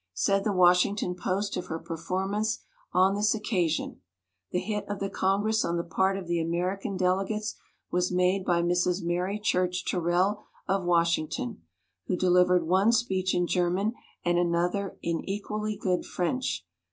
Said the Washington Post of her performance on this occasion: "The hit of the Congress on the part of the American delegates was made by Mrs. Mary Church Terrell of Washington, who delivered one speech in German and another in equally good French.